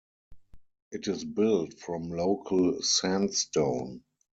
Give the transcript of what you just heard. It is built from local sandstone.